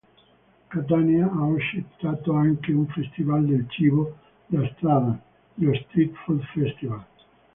Catania ha ospitato anche un festival del cibo da strada, lo "Street Food Festival".